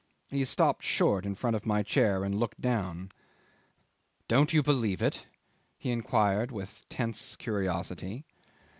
He stopped short in front of my chair and looked down. "Don't you believe it?" he inquired with tense curiosity.